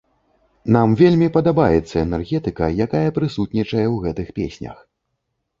Нам вельмі падабаецца энергетыка, якая прысутнічае ў гэтых песнях.